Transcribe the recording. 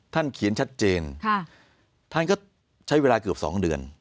เขียนชัดเจนท่านก็ใช้เวลาเกือบ๒เดือน